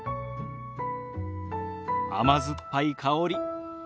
甘酸っぱい香り。